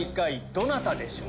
どなたでしょう？